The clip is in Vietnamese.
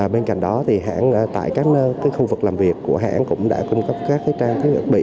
bên cạnh đó hãng tại các khu vực làm việc của hãng cũng đã cung cấp các trang thiết bị